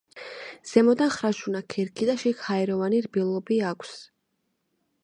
ზემოდან ხრაშუნა ქერქი და შიგ ჰაეროვანი რბილობი აქვს.